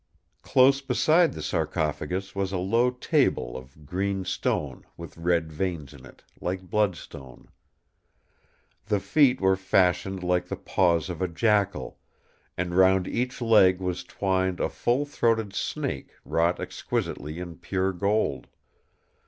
Close beside the sarcophagus was a low table of green stone with red veins in it, like bloodstone. The feet were fashioned like the paws of a jackal, and round each leg was twined a full throated snake wrought exquisitely in pure gold.